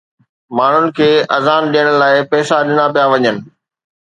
ماڻهن کي اذان ڏيڻ لاءِ پئسا ڏنا پيا وڃن.